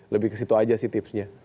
lebih ke situ aja sih tipsnya